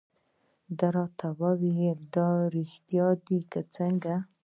دې راته وویل: دا رېښتیا دي که څنګه؟